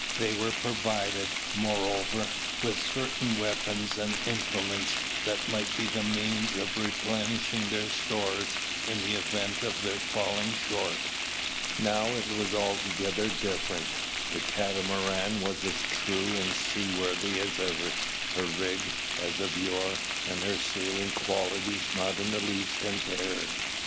They were provided, moreover, with certain weapons and implements that might be the means of replenishing their stores in the event of their falling short. Now it was altogether different. The Catamaran was as true and seaworthy as ever, her "rig" as of yore, and her sailing qualities not in the least impaired.